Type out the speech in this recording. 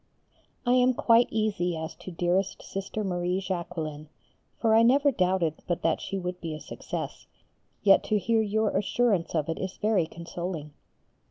I am quite easy as to dearest Sister Marie Jacqueline, for I never doubted but that she would be a success, yet to hear your assurance of it is very consoling.